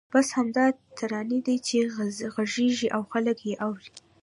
بس همدا ترانې دي چې غږېږي او خلک یې اوري.